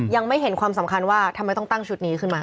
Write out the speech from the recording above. ยังไม่เห็นความสำคัญว่าทำไมต้องตั้งชุดนี้ขึ้นมา